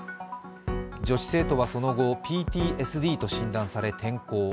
女子生徒はその後ＰＴＳＤと診断され、転校。